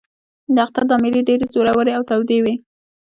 د اختر دا مېلې ډېرې زورورې او تودې وې.